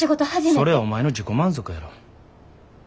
それはお前の自己満足やろ。